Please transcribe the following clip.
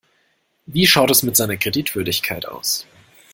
Wie schaut es mit seiner Kreditwürdigkeit aus?